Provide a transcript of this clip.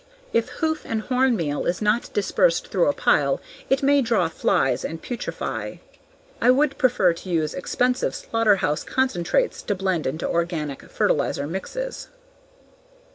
If hoof and horn meal is not dispersed through a pile it may draw flies and putrefy. I would prefer to use expensive slaughterhouse concentrates to blend into organic fertilizer mixes.